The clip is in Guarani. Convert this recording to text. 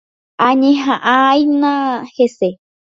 Añeha'ãhína hese.